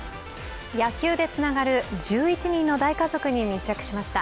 野球でつながる１１人の大家族に密着しました。